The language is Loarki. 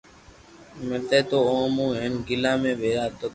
ملتي تو او مون ھين گلا ۾ ڀآرا ڪرتو